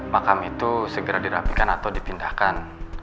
makam itu segera dirapikan atau dipindahkan